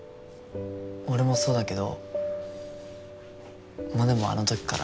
俺もそうだけどモネもあの時から。